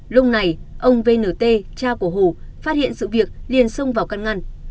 lúc này ông v n t cha của hổ phát hiện sự việc liền sông vào căn ngăn